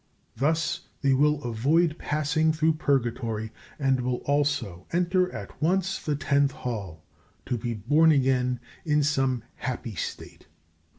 Thus they will avoid passing through Purgatory, and will also enter at once the Tenth Hall, to be born again in some happy state.